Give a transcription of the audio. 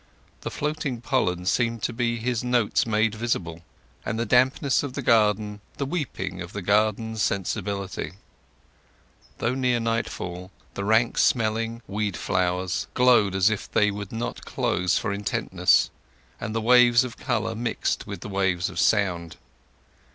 The floating pollen seemed to be his notes made visible, and the dampness of the garden the weeping of the garden's sensibility. Though near nightfall, the rank smelling weed flowers glowed as if they would not close for intentness, and the waves of colour mixed with the waves of sound.